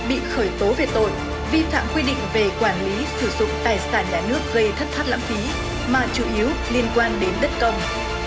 bị khởi tố về tội vi phạm quy định về quản lý sử dụng tài sản nhà nước gây thất thoát lãng phí mà chủ yếu liên quan đến đất công